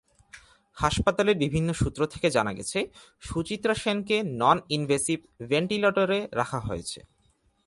হাসপাতালের বিভিন্ন সূত্র থেকে জানা গেছে, সুচিত্রা সেনকে নন-ইনভেসিভ ভেন্টিলেটরে রাখা হয়েছে।